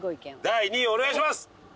第２位お願いします！